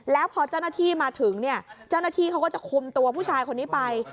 แล้วพอเจ้าหน้าที่มาถึงเนี่ยเจ้าหน้าที่เขาก็จะคุมตัวผู้ชายคนนี้ไป